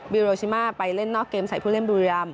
โรชิมาไปเล่นนอกเกมใส่ผู้เล่นบุรีรำ